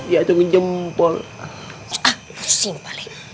ini lagi marah